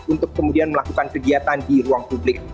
untuk kemudian melakukan kegiatan di ruang publik